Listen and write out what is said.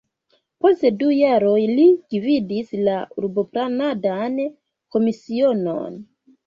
Post du jaroj li gvidis la urboplanadan komisionon.